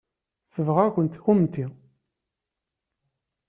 Tebɣa-kent kennemti.